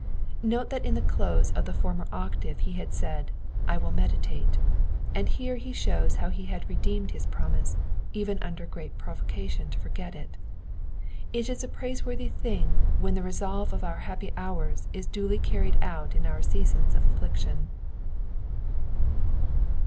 Note that in the close of the former octave he had said, ^^ I will meditate," and here he shows how he had redeemed his promise, even under great provocation to forget it. It is a praiseworthy thing when the resolve of our bappy hours is duly carried out in our seasons of affliction.